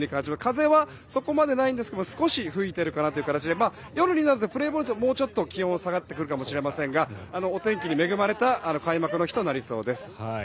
風は、そこまでないんですが少し吹いているかなという形で夜になるとプレーボールにはもうちょっと気温が下がるかもしれないですがお天気に恵まれた開幕の日となりそうです。